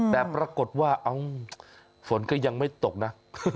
แต่ปรากฏว่าฝนก็ยังไม่ตกนะ